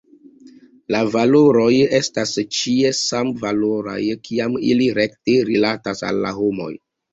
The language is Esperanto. La valoroj estas ĉie samvaloraj kiam ili rekte rilatas al la homoj.